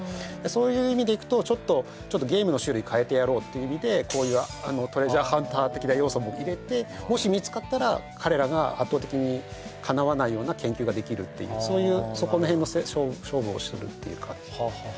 そういう意味でいくとちょっとっていう意味でこういうトレジャーハンター的な要素も入れてもし見つかったら彼らが圧倒的にかなわないような研究ができるっていうそういうそこらへんの勝負をするっていう感じ